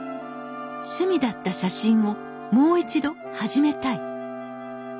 「趣味だった写真をもう一度始めたい」。